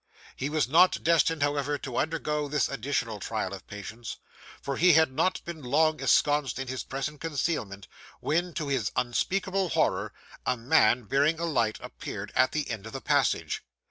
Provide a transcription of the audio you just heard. He was not destined, however, to undergo this additional trial of patience; for he had not been long ensconced in his present concealment when, to his unspeakable horror, a man, bearing a light, appeared at the end of the passage.